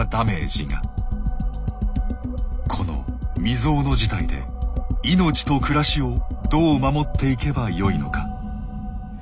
この未曽有の事態で命と暮らしをどう守っていけばよいのか。